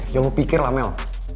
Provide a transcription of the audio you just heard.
ya lo pikir lah mel